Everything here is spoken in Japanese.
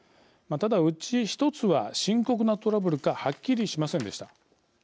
ただ、うち１つは深刻なトラブルかはっきりしませんでした。